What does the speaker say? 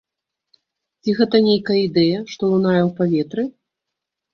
Ці гэта нейкая ідэя, што лунае ў паветры.